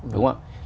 đúng không ạ